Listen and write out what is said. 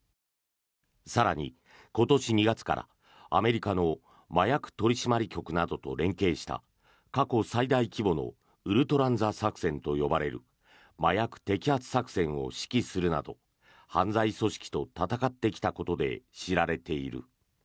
更に、今年２月からアメリカの麻薬取締局などと連携した過去最大規模のウルトランザ作戦と呼ばれる麻薬摘発作戦を指揮するなど犯罪組織と戦ってきたことで知られている。